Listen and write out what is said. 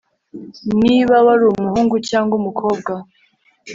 niba wari umuhungu cyangwa umukobwa